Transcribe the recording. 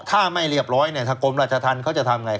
ถ้าไม่เรียบร้อยเนี่ย